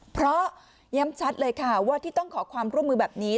เพราะย้ำชัดเลยค่ะว่าที่ต้องขอความร่วมมือแบบนี้